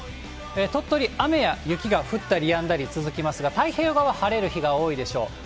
鳥取、雨や雪が降ったりやんだり続きますが、太平洋側は晴れる日が多いでしょう。